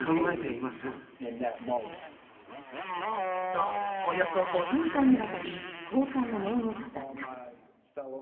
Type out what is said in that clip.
と、およそ５分間にわたり後悔の念を語った。